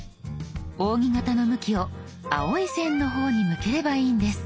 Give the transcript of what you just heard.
扇形の向きを青い線の方に向ければいいんです。